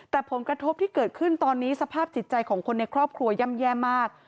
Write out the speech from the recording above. แต่ผลกระทบที่เกิดขึ้นตอนนี้สภาพจิตใจของคนในครอบครัวย่ำแย่มาก